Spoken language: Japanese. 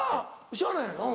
しゃあないうん。